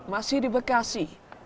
masih di bekasi